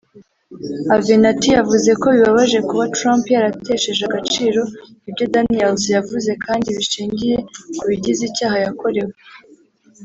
Avenatti yavuze ko bibabaje kuba Trump yaratesheje agaciro ibyo Daniels yavuze kandi bishingiye ku bigize icyaha yakorewe